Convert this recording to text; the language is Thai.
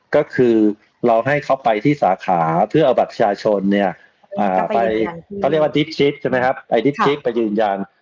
ก็คือเราให้เขาไปที่สาขาเพื่อเอาบัตรชาชนไปยืนยัน